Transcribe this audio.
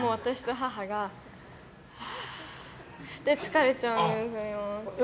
もう私と母がはあって疲れちゃうんですよ。